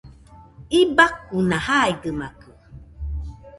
Ibaikuna jaidɨmakɨ